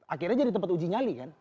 akhirnya jadi tempat uji nyali kan